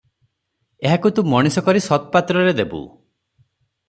ଏହାକୁ ତୁ ମଣିଷ କରି ସତ୍ପାତ୍ରରେ ଦେବୁ ।